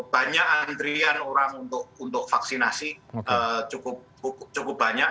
banyak antrian orang untuk vaksinasi cukup banyak